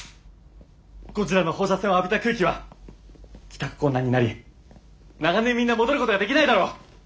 ゴジラの放射線を浴びた区域は帰宅困難になり長年みんな戻ることができないだろう。